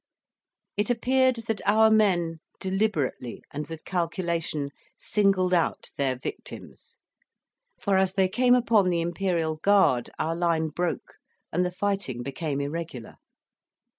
It appeared that our men, deliberately and with calculation, singled out their victims; for as they came upon the Imperial Guard our line broke, and the fighting became irregular.